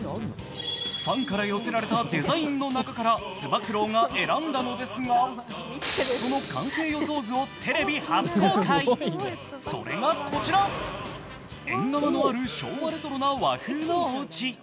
ファンから寄せられたデザインの中からつば九郎が選んだのですが、その完成予想図をテレビ初公開それがこちら、縁側のある昭和レトロな和風のおうち。